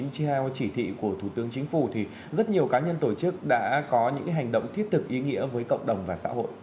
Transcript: theo chỉ thị của thủ tướng chính phủ thì rất nhiều cá nhân tổ chức đã có những hành động thiết thực ý nghĩa với cộng đồng và xã hội